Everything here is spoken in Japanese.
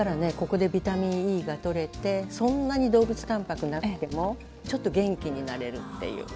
ここでビタミンＥがとれてそんなに動物たんぱくなくってもちょっと元気になれるっていう。